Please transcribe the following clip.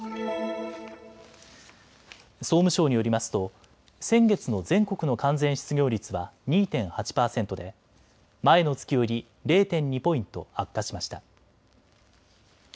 総務省によりますと先月の全国の完全失業率は２．８％で前の月より０．２ポイント悪化しました。